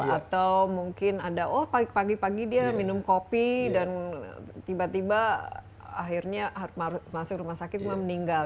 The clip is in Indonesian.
atau mungkin ada oh pagi pagi dia minum kopi dan tiba tiba akhirnya masuk rumah sakit cuma meninggal